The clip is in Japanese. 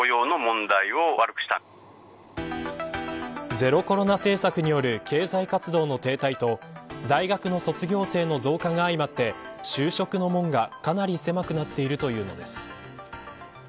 ゼロコロナ政策による経済活動の停滞と大学の卒業生の増加が相まって就職の門がかなり狭くなっているというのです。